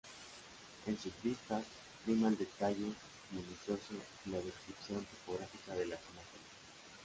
En sus vistas, prima el detalle minucioso y la descripción topográfica de las imágenes.